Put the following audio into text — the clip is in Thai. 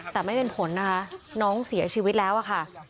แต่ไม่เป็นผลนะคะน้องเสียชีวิตแล้วอะค่ะ